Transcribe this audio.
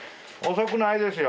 遅くないですよ。